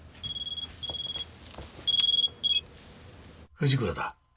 藤倉だ。